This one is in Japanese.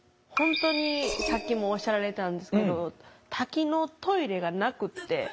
本当にさっきもおっしゃられたんですけど多機能トイレがなくって。